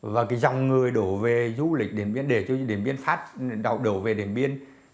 và dòng người đổ về du lịch điện biên để cho điện biên phát đổ về điện biên